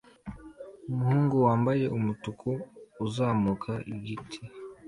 Umuhungu wambaye umutuku uzamuka igiti